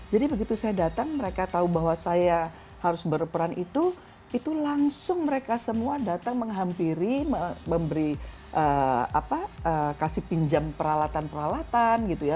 jadi begitu saya datang mereka tahu bahwa saya harus berperan itu itu langsung mereka semua datang menghampiri memberi apa kasih pinjam peralatan peralatan gitu ya